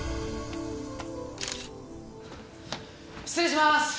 失礼します！